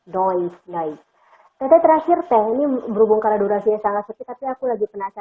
doi nge tet terakhir pengen berhubung ke adu rasia sangat seperti tapi aku lagi penasaran teh satu